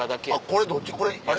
これどっち？